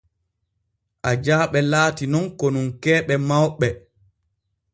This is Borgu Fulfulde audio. Ajaaɓe laati nun konunkeeɓe mawɓe.